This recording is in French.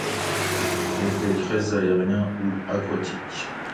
Effets très aériens ou aquatiques.